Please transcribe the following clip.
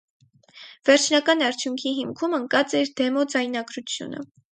Վերջնական արդյունքի հիմքում ընկած էր դեմո ձայնագրությունը։